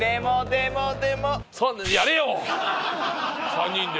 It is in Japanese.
３人で。